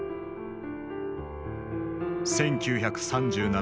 １９３７年。